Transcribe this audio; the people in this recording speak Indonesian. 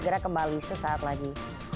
segera kembali sesaat lagi